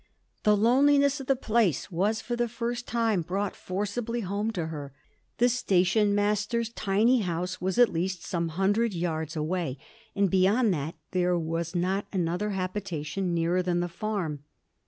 The loneliness of the place was for the first time brought forcibly home to her. The station master's tiny house was at least some hundred yards away, and beyond that there was not another habitation nearer than the farm.